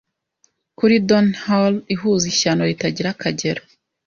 Kuri Donnerhall ihuza ishyano ritagira akagero